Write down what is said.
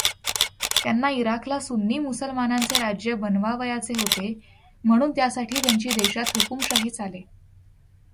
त्यांना इराकला सुन्नी मुसलमानांचे राज्य बनवावयाचे होते, म्हणून त्यासाठी त्यांची देशात हुकूमशाही चाले.